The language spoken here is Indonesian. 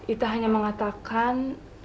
ita hanya mengatakan